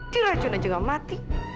diracun aja nggak mati